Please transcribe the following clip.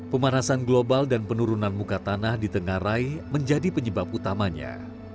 pemanasan global dan penurunan muka tanah di tengah rai menjadi penyebab utamanya